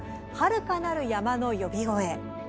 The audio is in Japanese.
「遙かなる山の呼び声」。